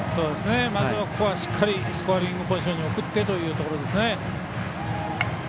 まずはここはしっかりスコアリングポジションに送ってというところですね。